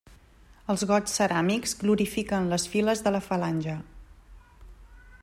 Els gots ceràmics glorifiquen les files de la falange.